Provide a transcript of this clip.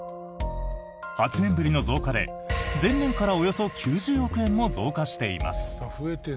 ８年ぶりの増加で前年からおよそ９０億円も増加しています。